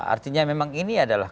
artinya memang ini adalah